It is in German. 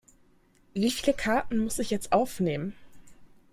Wie viele Karten muss ich jetzt aufnehmen?